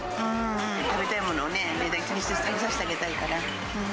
食べたいものをね、値段を気にせず食べさせてあげたいから。